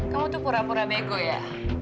kamu tuh pura pura mego ya